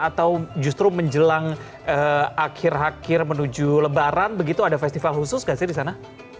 atau justru menjelang akhir akhir menuju lebaran begitu ada festival khusus nggak sih di sana